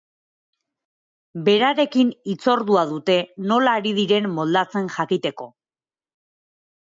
Berarekin hitzordua dute nola ari diren moldatzen jakiteko.